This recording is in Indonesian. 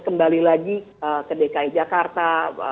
kembali lagi ke dki jakarta